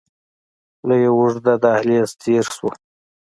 له يوه اوږد دهليزه تېر سو.